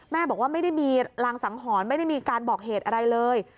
บอกว่าไม่ได้มีรางสังหรณ์ไม่ได้มีการบอกเหตุอะไรเลย